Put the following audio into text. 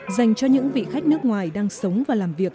dành cho những vị khách nước ngoài đang sống và làm việc